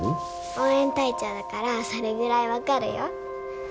応援隊長だからそれぐらい分かるよ。